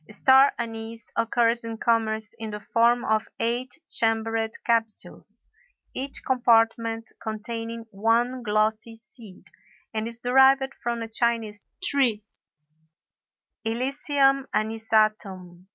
Star anise occurs in commerce in the form of eight chambered capsules, each compartment containing one glossy seed, and is derived from a Chinese tree, Illicium anisatum.